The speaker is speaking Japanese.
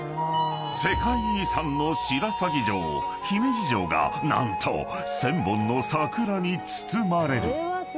［世界遺産の白鷺城姫路城が何と１，０００本の桜に包まれる］